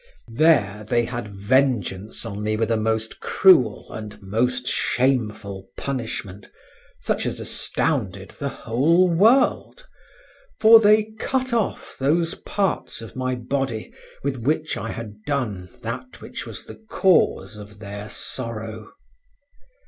There they had vengeance on me with a most cruel and most shameful punishment, such as astounded the whole world, for they cut off those parts of my body with which I had done that which was the cause of their sorrow.